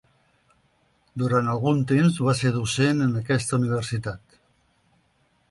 Durant algun temps va ser docent en aquesta Universitat.